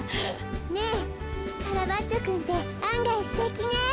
ねえカラバッチョくんってあんがいすてきね。